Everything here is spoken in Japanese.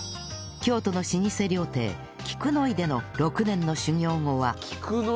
京都の老舗料亭菊乃井での６年の修業後は